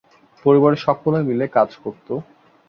পরিবারের সকলে মিলে কাজ করত।